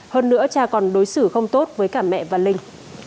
hơn nữa cha còn đối xử không tốt với cả mẹ và linh